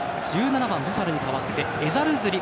１７番、ブファルに代わってエザルズリ。